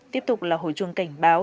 tiếp tục là hồi chuồng cảnh báo